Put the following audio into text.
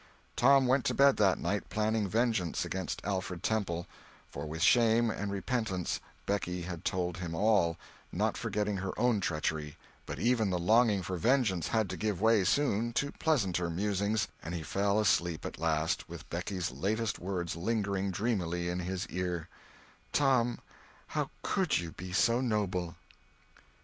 Tom went to bed that night planning vengeance against Alfred Temple; for with shame and repentance Becky had told him all, not forgetting her own treachery; but even the longing for vengeance had to give way, soon, to pleasanter musings, and he fell asleep at last with Becky's latest words lingering dreamily in his ear— "Tom, how could you be so noble!"